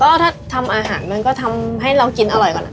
ก็ถ้าทำอาหารมันก็ทำให้เรากินอร่อยก่อน